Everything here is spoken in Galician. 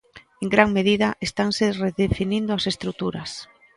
En gran medida, estanse redefinindo as estruturas.